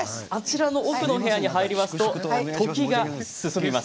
奥の部屋に入ると時が進みます。